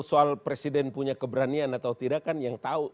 soal presiden punya keberanian atau tidak kan yang tahu